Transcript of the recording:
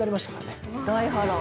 大波乱。